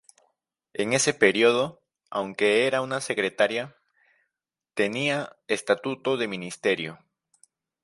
En ese período, aunque era una secretaría, tenía estatuto de ministerio.